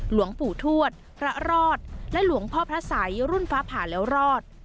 หลวงปู่ทวดพระรอดและหลวงพ่อพระสัยรุ่นฟ้าผ่าแล้วรอด